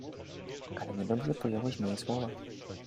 Ale niedobrze pojąłeś moje słowa.